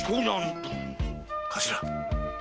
頭！